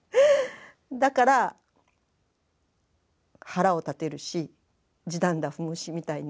だから腹を立てるしじだんだ踏むしみたいな。